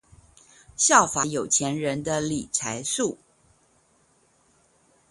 效法有錢人的理財術